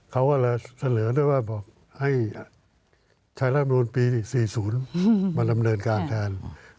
เขาก็แสนเหลือด้วยว่าให้ชายร่างบนปี๔๐มาดำเนินการแทน